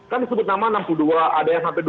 kan disebut nama enam puluh dua ada yang sampai dua puluh